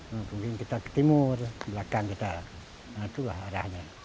mungkin kita ke timur belakang kita itulah arahnya